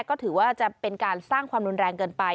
ก็ถือว่าจะเป็นการสร้างความรุนแรงเกินไป